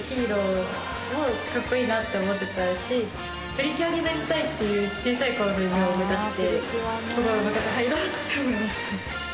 プリキュアになりたいっていう小さい頃の夢を思い出してこの部活に入ろうって思いました。